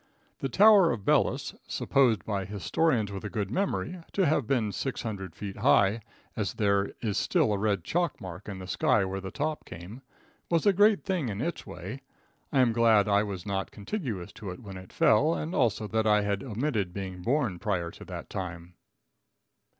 The tower of Belus, supposed by historians with a good memory to have been 600 feet high, as there is still a red chalk mark in the sky where the top came, was a great thing in its way. I am glad I was not contiguous to it when it fell, and also that I had omitted being born prior to that time.